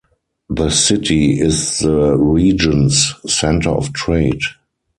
The city is the region's center of trade.